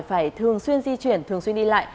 phải thường xuyên di chuyển thường xuyên đi lại